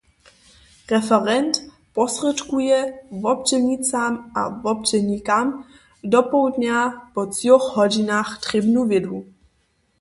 Referent posrědkuje wobdźělnicam a wobdźělnikam dopołdnja po třoch hodźinach trěbnu wědu.